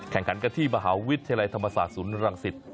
แข่งขันกันที่มหาวิทยาลัยธรรมศาสตร์ศูนย์รังสิต